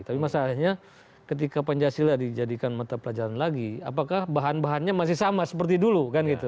tapi masalahnya ketika pancasila dijadikan mata pelajaran lagi apakah bahan bahannya masih sama seperti dulu kan gitu